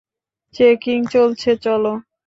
Checking চলছে, চলো।